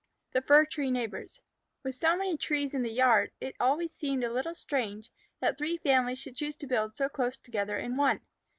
THE FIR TREE NEIGHBORS With so many trees in the yard, it always seemed a little strange that three families should choose to build so close together in one.